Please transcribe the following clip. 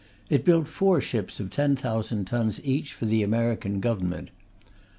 It built four ships of 10,000 tons each for the American Government. Mr.